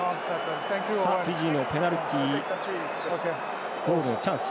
フィジーのペナルティゴールのチャンス。